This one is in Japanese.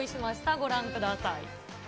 ご覧ください。